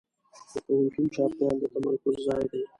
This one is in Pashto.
د پوهنتون چاپېریال د تمرکز ځای دی.